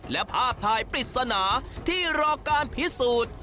และภาพถ่ายปริศนาที่รอการพิสูจน์